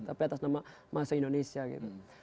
tapi atas nama bangsa indonesia gitu